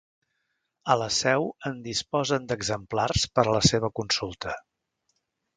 A la seu en disposen d'exemplars per a la seva consulta.